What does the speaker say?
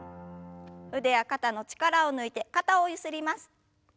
腕や肩の力を抜いて肩をゆすります。